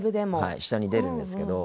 下に出るんですけど。